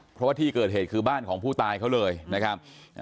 เพราะว่าที่เกิดเหตุคือบ้านของผู้ตายเขาเลยนะครับ